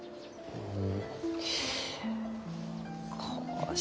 うん。